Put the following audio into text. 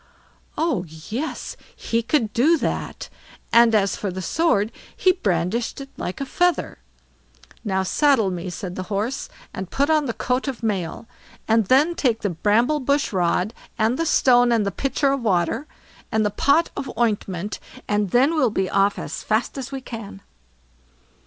Oh yes! he could do that, and as for the sword, he brandished it like a feather. "Now saddle me", said the Horse, "and put on the coat of mail, and then take the bramble bush rod, and the stone, and the pitcher of water, and the pot of ointment, and then we'll be off as fast as we can."